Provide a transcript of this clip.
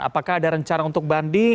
apakah ada rencana untuk banding